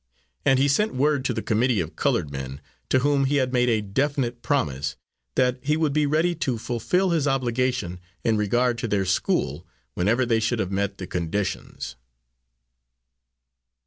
And he sent word to the committee of coloured men to whom he had made a definite promise, that he would be ready to fulfil his obligation in regard to their school whenever they should have met the conditions.